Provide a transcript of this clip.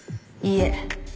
いいえ。